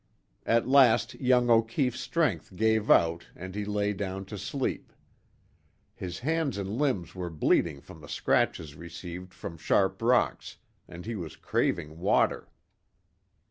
At last young O'Keefe's strength gave out and he lay down to sleep. His hands and limbs were bleeding from the scratches received from sharp rocks, and he was craving water.